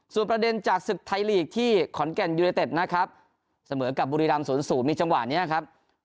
ส่วนประเด็นจากศึกไทยลีกที่ขอนแก่นยูเนเต็ดนะครับเสมอกับบุรีรำ๐๐มีจังหวะนี้ครับ